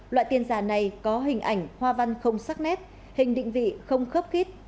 loại tiền giả này có hình ảnh hoa văn không sắc nét hình định vị không khớp kít